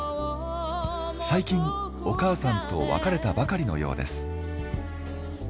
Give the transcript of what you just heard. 最近お母さんと別れたばかりのようです。